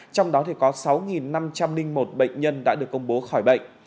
trong đó có sáu năm trăm linh một bệnh nhân đã được công bố khỏi bệnh